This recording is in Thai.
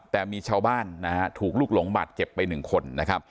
แต่มีชาวบ้านถูกลุกหลงบัตรเจ็บไป๑คน